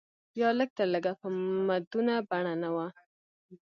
یا لږ تر لږه په مدونه بڼه نه و.